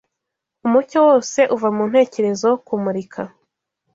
Umucyo wose uva mu ntekerezo, kumurika